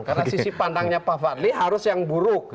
karena sisi pandangnya pak fadli harus yang buruk